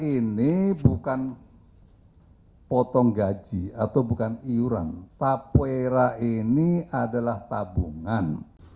ini bukan potong gaji atau bukan iuran tapera ini adalah tabungan